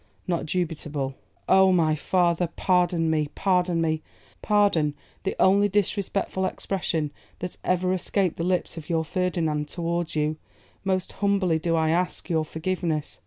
not dubitable.' 'Oh! my father, pardon me, pardon me; pardon the only disrespectful expression that ever escaped the lips of your Ferdinand towards you; most humbly do I ask your forgiveness.